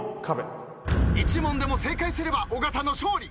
１問でも正解すれば尾形の勝利。